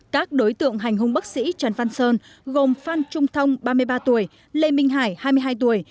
các đối tượng hành hung bác sĩ trần văn sơn gồm phan trung thông ba mươi ba tuổi lê minh hải hai mươi hai tuổi